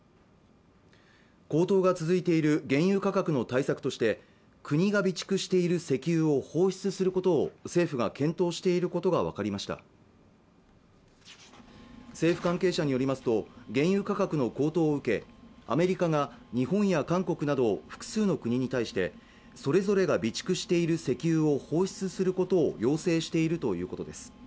高騰が続いている原油価格の対策として国が備蓄している石油を放出することを政府が検討していることが分かりました政府関係者によりますと原油価格の高騰を受けアメリカが日本や韓国など複数の国に対してそれぞれが備蓄している石油を放出することを要請しているということです